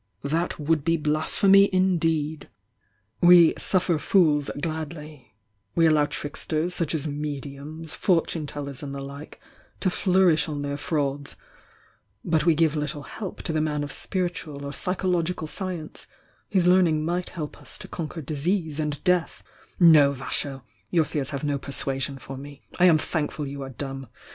That would be blasphemy m S We 'suffer fools gladly,' we allow tricksters sS as mediums,' fortune teUersand the like to flourish on their frauds, but we give Me help to the man of spiritual or psychological science, whose learning might help us to conquer disease and death No VMho!— your fears have no persuasion for me! I amthankful you are dumb!